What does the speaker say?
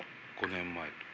５年前と。